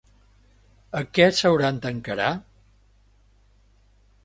A què s'hauran d'encarar?